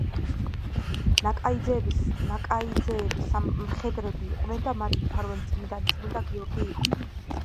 ნაკაიძეები მხედრები იყვნენ და მათი მფარველი წმინდანი წმინდა გიორგი იყო.